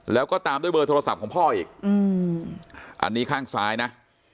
แล้วก็ตามด้วยเบอร์โทรศัพท์ของพ่ออีกอันนี้ข้างซ้ายนะ